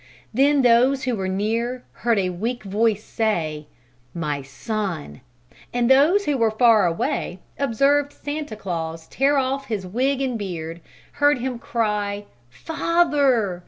Then those who were near heard a weak voice say, "My son!" and those who were far away observed Santa Claus tear off his wig and beard, heard him cry, "Father!"